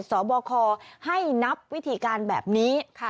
สอบคอให้นับวิธีการแบบนี้